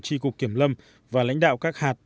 tri cục kiểm lâm và lãnh đạo các hạt